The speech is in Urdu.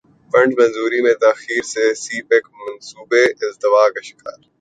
فنڈز منظوری میں تاخیر سے سی پیک منصوبے التوا کا شکار